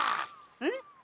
えっ？